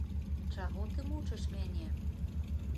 Чаго ты мучыш мяне?